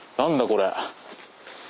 これ。